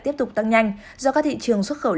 tiếp tục tăng nhanh do các thị trường xuất khẩu